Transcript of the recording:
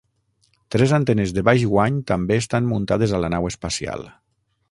Tres antenes de baix guany també estan muntades a la nau espacial.